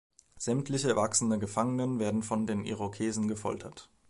Sämtliche erwachsene Gefangenen werden von den Irokesen gefoltert.